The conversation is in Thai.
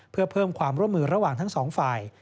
เพื่อเพิ่มความร่วมมือระหว่างทั้งสองฝ่าย